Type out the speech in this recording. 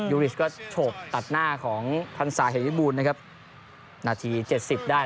ยูริสก็โฉบตัดหน้าของท่านสายเฮยบูนนะครับนาทีเจ็ดสิบได้